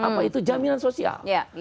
apa itu jaminan sosial